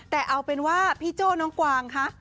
แต่เอาเป็นว่าพี่โจ้น้องกวางคะ